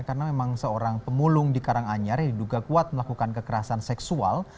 karena memang seorang pemulung di karanganyar yang diduga kuat melakukan kekerasan seksual